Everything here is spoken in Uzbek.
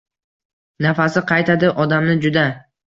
Nafasi qaytadi odamni juda.